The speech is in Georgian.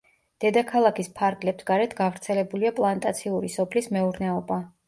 დედაქალაქის ფარგლებს გარეთ გავრცელებულია პლანტაციური სოფლის მეურნეობა.